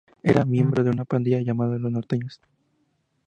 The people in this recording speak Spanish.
Era miembro de una pandilla llamada los Norteños.